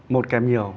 một kèm nhiều